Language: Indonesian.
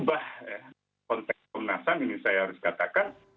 ada yang berubah konteks komnasan ini saya harus katakan